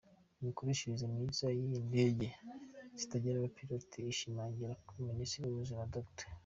Imikoreshereze myiza y’izi ndege zitagira abapilote ishimangirwa na ministre w’ubuzima Dr.